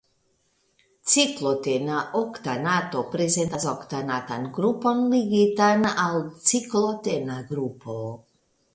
Ciklotena oktanato prezentas oktanatan grupon ligitan al ciklotena grupo.